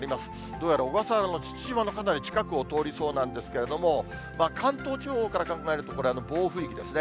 どうやら小笠原の父島のかなり近くを通りそうなんですけれども、関東地方から考えると、これ、暴風域ですね。